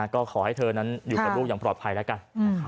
ก็ขอให้เธอนั้นอยู่กับลูกอย่างปลอดภัยแล้วกัน